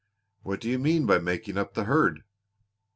"What do you mean by making up the herd?"